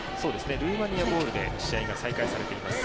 ルーマニアボールで試合が再開されています。